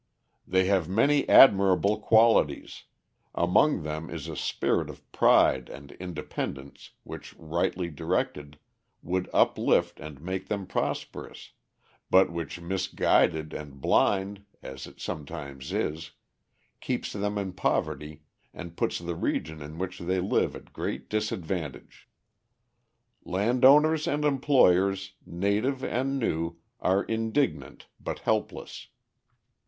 They have many admirable qualities; among them is a spirit of pride and independence, which, rightly directed, would uplift and make them prosperous, but which misguided and blind, as it sometimes is, keeps them in poverty and puts the region in which they live at great disadvantage. "Landowners and employers, native, and new, are indignant but helpless.